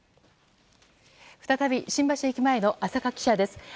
再び新橋駅前の浅賀記者です。